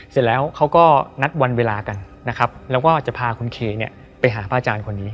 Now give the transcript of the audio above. เสร็จแล้วเขาก็นัดวันเวลากันนะครับแล้วก็จะพาคุณเคเนี่ยไปหาพระอาจารย์คนนี้